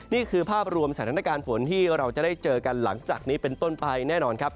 นี่คือภาพรวมสถานการณ์ฝนที่เราจะได้เจอกันหลังจากนี้เป็นต้นไปแน่นอนครับ